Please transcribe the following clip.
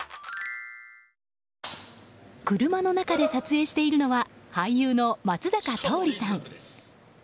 車の中で撮影しているのは俳優の松坂桃李さん。